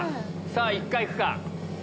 さぁ１回行くか？